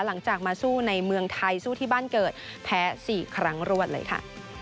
หลังจากมาสู้ในเมืองไทยสู้ที่บ้านเกิดแพ้๔ครั้งรวดเลยค่ะ